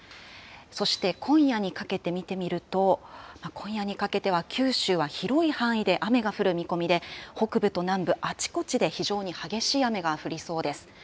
そして今夜にかけて見てみると、今夜にかけては九州は広い範囲で雨が降る見込みで、北部と南部、あちこちで非常に激しい雨が降りそうです。